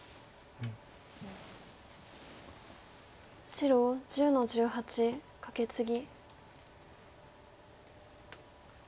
白１０の十八カケツギ。